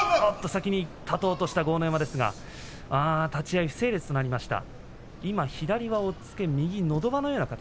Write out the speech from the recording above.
先に立とうとした豪ノ山ですが立ち合い不成立となりました。